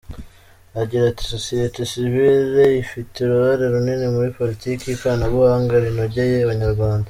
Agira ati “Sosiyete sivile ifite uruhare runini muri politiki y’ikoranabuhanga rinogeye Abanyarwanda.